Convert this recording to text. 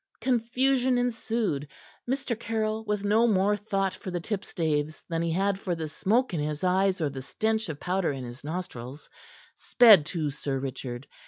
Confusion ensued. Mr. Caryll, with no more thought for the tipstaves than he had for the smoke in his eyes or the stench of powder in his nostrils, sped to Sir Richard.